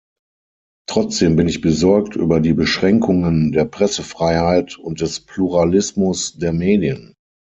Trotzdem bin ich besorgt über die Beschränkungen der Pressefreiheit und des Pluralismus der Medien.